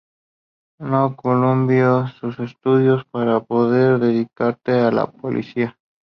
No culmino sus estudios para poder dedicarse a la política.